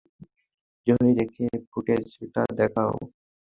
জহির, ওকে ফুটেজটা দেখাও।